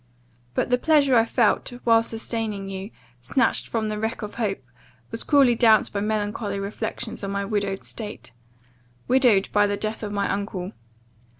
But the pleasure I felt, while sustaining you, snatched from the wreck of hope, was cruelly damped by melancholy reflections on my widowed state widowed by the death of my uncle.